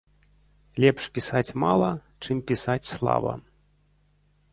Лепш пісаць мала, чым пісаць слаба.